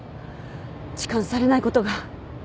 痴漢されないことが。